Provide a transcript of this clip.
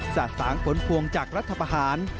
สะสางผลพวงจากรัฐประหาร